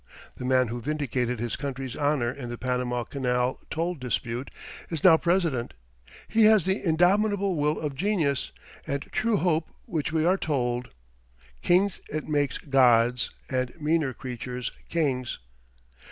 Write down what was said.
The man who vindicated his country's honor in the Panama Canal toll dispute is now President. He has the indomitable will of genius, and true hope which we are told, "Kings it makes gods, and meaner creatures kings."